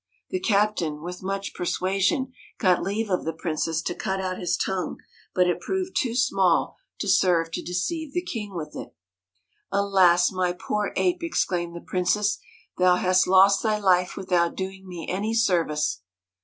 The captain, with much persuasion, got leave of the princess to cut out his tongue, but it proved too small to serve to deceive the king with it ' Alas ! my poor ape,' exclaimed the princess, ' thou hast lost thy life without doing me any service.'